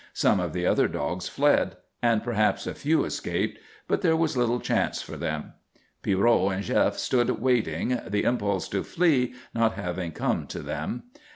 Some of the other dogs fled and perhaps a few escaped, but there was little chance for them. Pierrot and Jef stood waiting, the impulse to flee not having come to them.